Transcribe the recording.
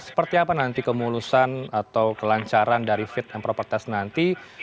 seperti apa nanti kemulusan atau kelancaran dari fit and proper test nanti